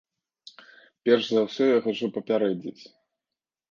Перш за ўсё я хачу папярэдзіць.